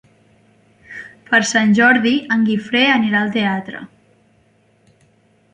Per Sant Jordi en Guifré anirà al teatre.